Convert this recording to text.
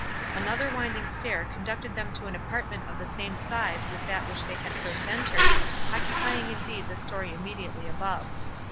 Another winding stair conducted them to an apartment of the same size with that which they had first entered, occupying indeed the story immediately above.